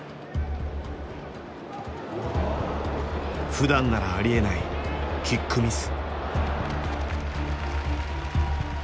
ふだんならありえないキックミス。